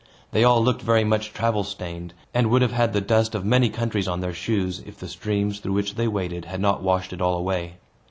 They all looked very much travel stained, and would have had the dust of many countries on their shoes, if the streams, through which they waded, had not washed it all away.